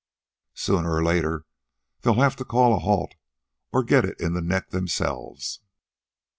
Sooner or later they'll have to call a halt or get it in the neck themselves.